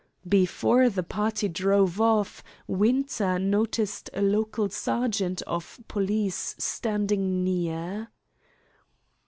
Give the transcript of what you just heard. Before the party drove off Winter noticed a local sergeant of police standing near.